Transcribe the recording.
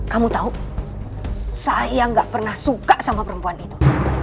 kamu tahu saya gak pernah suka sama perempuan itu